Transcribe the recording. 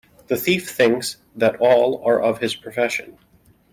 The thief thinks that all are of his profession.